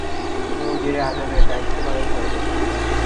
তিনি উজিরে আজমের দায়িত্ব পালন করেন।